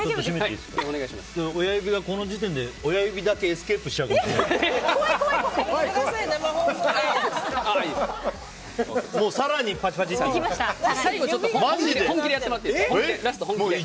親指がこの時点で親指だけエスケープしちゃうかもしれない。